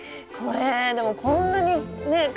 これでもこんなにね